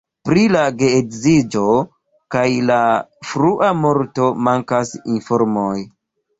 Pri la geedziĝo kaj la frua morto mankas informoj.